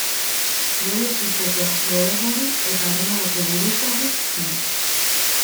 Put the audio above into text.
Goi Egiptoko gobernari eta armadako buruzagi zen.